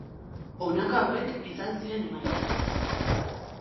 Honako hauek izan ziren emaitzak.